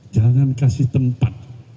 jangan kasih tempat